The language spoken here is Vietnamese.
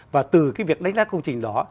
và từ cái việc đánh giá công trình đó